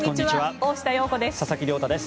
大下容子です。